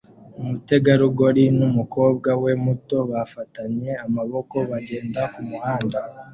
Umutegarugori numukobwa we muto bafatanye amaboko bagenda kumuhanda